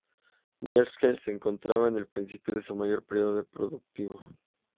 Nietzsche se encontraba en el principio de su mayor período productivo.